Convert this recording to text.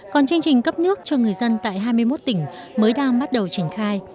còn chương trình cấp nước cho người dân tại hai mươi một tỉnh mới đang bắt đầu triển khai